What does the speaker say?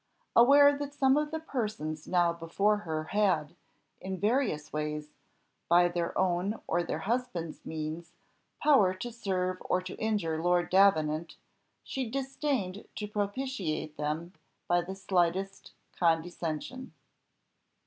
Aware that some of the persons now before her had, in various ways, by their own or their husbands' means, power to serve or to injure Lord Davenant, she disdained to propitiate them by the slightest condescension.